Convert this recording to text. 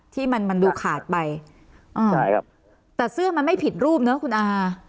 ที่มันมันดูขาดไปอ่าใช่ครับแต่เสื้อมันไม่ผิดรูปเนอะคุณอา